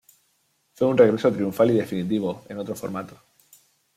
Fue un regreso triunfal y definitivo, en otro formato.